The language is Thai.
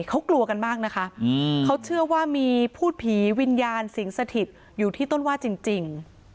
เขากลัวกันมากนะคะเขาเชื่อว่ามีพูดผีวิญญาณสิงสถิตอยู่ที่ต้นว่าจริง